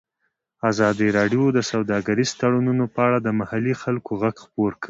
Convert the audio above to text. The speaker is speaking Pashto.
ازادي راډیو د سوداګریز تړونونه په اړه د محلي خلکو غږ خپور کړی.